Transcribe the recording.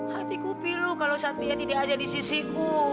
hatiku pilu kalau satria tidak ada di sisiku